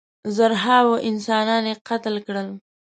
زرهاوو انسانان یې قتل کړل.